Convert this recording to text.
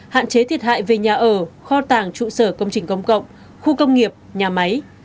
hạn chế thiệt hại về nhà ở kho tàng trụ sở công trình công cộng khu công nghiệp nhà máy